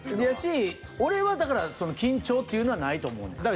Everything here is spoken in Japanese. やし俺はだから緊張っていうのはないと思うねん。